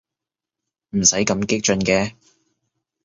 唔使咁激進嘅